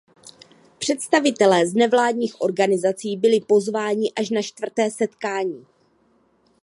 Představitelé z nevládních organizací byli pozváni až na čtvrté setkání.